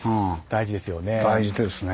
大事ですね。